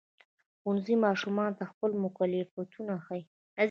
ښوونځی ماشومانو ته خپل مکلفیتونه ښيي.